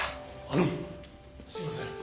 あのすいません。